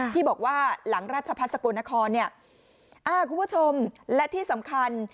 ที่บอกว่าหลังราชพัฒนสกลนครเนี่ยอ่าคุณผู้ชมและที่สำคัญ